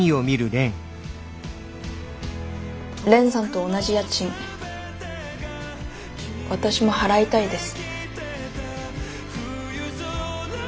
蓮さんと同じ家賃私も払いたいです。